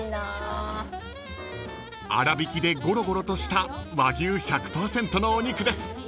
［粗びきでゴロゴロとした和牛１００％のお肉です］